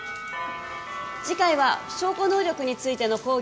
次回は証拠能力についての講義を行います。